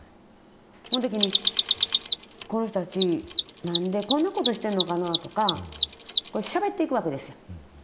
その時にこの人たちなんでこんなことしてんのかなとかしゃべっていくわけですやん。